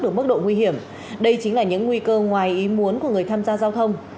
ở mức độ nguy hiểm đây chính là những nguy cơ ngoài ý muốn của người tham gia giao thông